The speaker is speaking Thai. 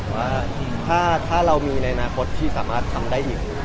ว่าถ้าเรามีในอนาคตที่สามารถทำได้อีก